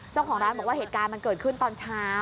เจ้าของร้านบอกว่าเหตุการณ์มันเกิดขึ้นตอนเช้า